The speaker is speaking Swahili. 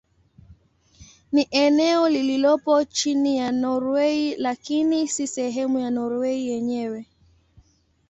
Ni eneo lililopo chini ya Norwei lakini si sehemu ya Norwei yenyewe.